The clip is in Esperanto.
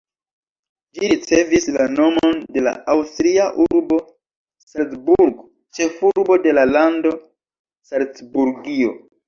Ĝi ricevis la nomon de la aŭstria urbo Salzburg, ĉefurbo de la lando Salcburgio.